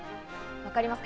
分かりますか？